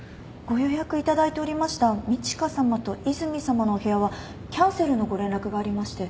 ご予約いただいておりました路加さまと和泉さまのお部屋はキャンセルのご連絡がありまして。